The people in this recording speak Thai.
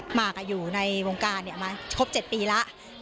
หมากอยู่ในวงการมาครบ๗ปีแล้ว